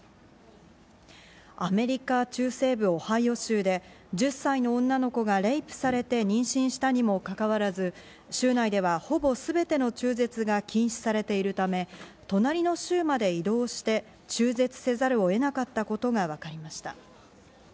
アメリカ中西部オハイオ州で１０歳の女の子がレイプされて妊娠したにもかかわらず、州内ではほぼすべての中絶が禁止されているため、隣の州まで移動して中絶せざるを得なかったことがわかりました。